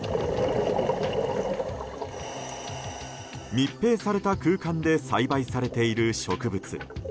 密閉された空間で栽培されている植物。